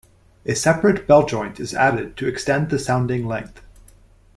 A separate bell joint is added to extend the sounding length.